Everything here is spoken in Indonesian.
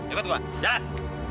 ikut gue jalan